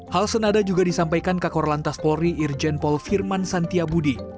hal senada juga disampaikan ke kor lantas polri irjenpol firman santiabudi